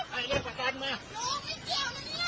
คุณผู้หญิงเสื้อสีขาวเจ้าของรถที่ถูกชน